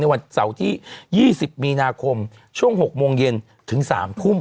วันเสาร์ที่๒๐มีนาคมช่วง๖โมงเย็นถึง๓ทุ่ม